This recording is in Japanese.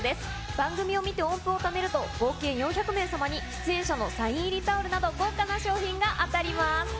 番組を見て音符をためると、合計４００名様に、出演者のサイン入りタオルなど、豪華な賞品が当たります。